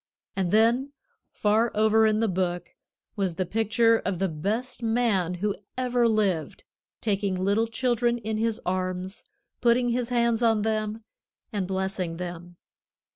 And then far over in the book was the picture of the best Man who ever lived, taking little children in His arms, putting His hands on them and blessing them.